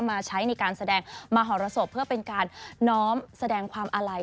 มาใช้ในการแสดงมหรสบเพื่อเป็นการน้อมแสดงความอาลัย